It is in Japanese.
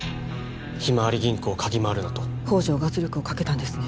ひまわり銀行を嗅ぎ回るなと宝条が圧力をかけたんですね